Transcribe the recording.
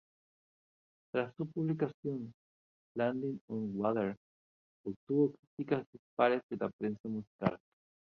Tras su publicación, "Landing on Water" obtuvo críticas dispares de la prensa musical.